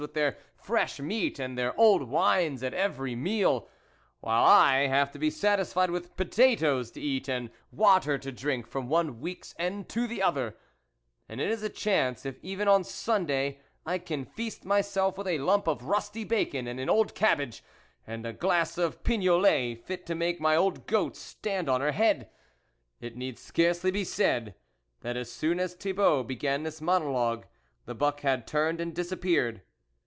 with their fresh meats and their old wines at every meal, while I have to be satisfied with potatoes to eat and water to drink from one week's end to the other ; and it is a chance if even on Sunday, I can feast myself with a lump of rusty bacon and an old cabbage, and a glass of pignolet fit to make my old goat stand on her head. It need scarcely be said, that as soon as Thibault began this monologue, the buck had turned and disappeared.